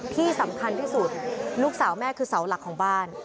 ที่สำคัญที่สุดลูกสาวแม่คือเสาหลักของบ้าน